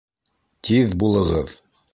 Тиҙ булығыҙ!